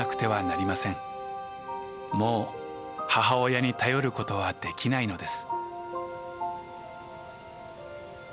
もう母親に頼ることはできないのです。